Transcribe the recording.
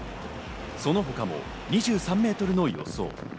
その他も２３メートルの予想。